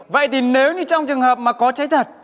vậy thì nếu như trong trường hợp mà có cháy thật